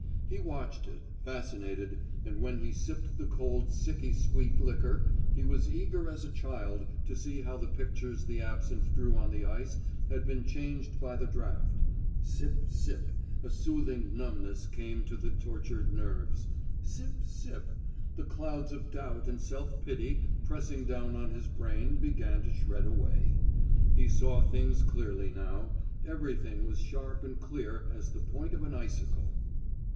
He watched it, fascinated, and when he sipped the cold sicky sweet liquor he was eager as a child to see how the pictures the absinth drew on the ice had been changed by the draft. Sip sip; a soothing numbness came to the tortured nerves. Sip sip; the clouds of doubt and self pity pressing down on his brain began to shred away. He saw things clearly now; everything was sharp and clear as the point of an icicle.